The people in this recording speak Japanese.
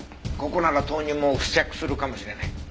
ここなら豆乳も付着するかもしれない。